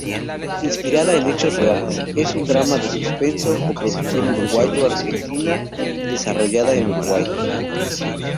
Inspirada en hechos reales, es un drama de suspenso, coproducción uruguayo-argentina desarrollada en Uruguay.